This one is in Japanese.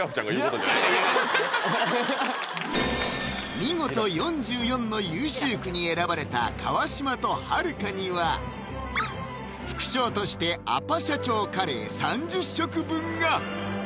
見事４４の優秀句に選ばれた川島とはるかには副賞としてアパ社長カレー３０食分が！